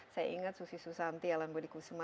saya ingat susi susanti alambudikusuma